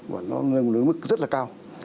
nâng lên một mức rất là cao